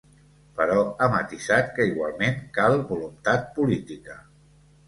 Però ha matisat que, igualment cal ‘voluntat política’.